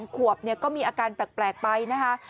ขวบก็มีอาการแปลกไปนะคะ